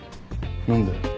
何で？